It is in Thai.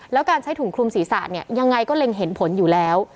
แล้วการใช้ถุงคลุมศีรษะเนี่ยยังไงก็เล็งเห็นผลอยู่แล้ว